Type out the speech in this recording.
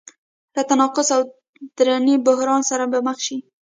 له تناقض او دروني بحران سره به مخ شي.